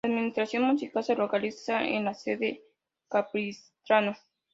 La administración municipal se localiza en la sede: Capistrano.